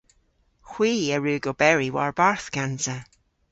Hwi a wrug oberi war-barth gansa.